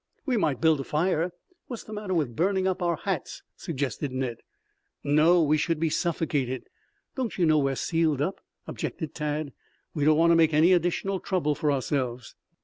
"We might build a fire. What's the matter with burning up our hats?" suggested Ned. "No, we should be suffocated. Don't you know we are sealed up," objected Tad. "We don't want to make any additional trouble for ourselves."